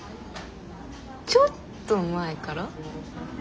ちょっと前から。